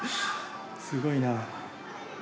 すごいなあ。